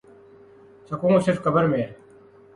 سکون صرف قبر میں ہے